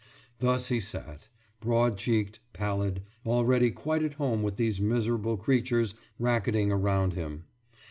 Thus he sat. Broad cheeked, pallid, already quite at home with these miserable creatures racketing around him.